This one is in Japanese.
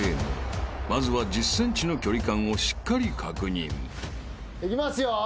［まずは１０ｃｍの距離感をしっかり確認］いきますよ。